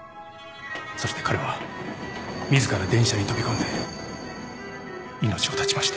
そして彼は自ら電車に飛び込んで命を絶ちました。